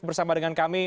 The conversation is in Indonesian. bersama dengan kami